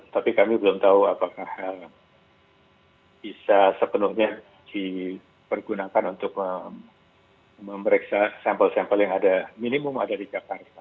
tapi kami belum tahu apakah bisa sepenuhnya dipergunakan untuk memeriksa sampel sampel yang ada minimum ada di jakarta